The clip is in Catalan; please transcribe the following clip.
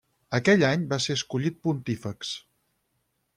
Aquell any va ser escollit pontífex.